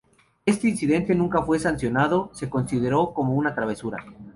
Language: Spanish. Este incidente nunca fue sancionado, se consideró como una travesura.